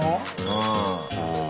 うん。